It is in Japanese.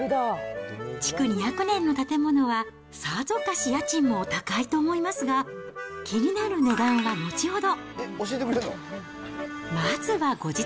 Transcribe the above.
築２００年の建物はさぞかし家賃もお高いと思いますが、気になる値段は後ほど。